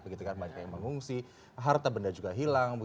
begitu kan banyak yang mengungsi harta benda juga hilang